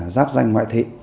giáp danh ngoại thị